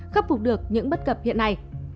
khắc phục được những bất cập hiện nay